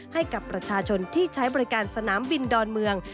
ให้กับประชาชนที่ใช้บริการสนามบินดอนเมือง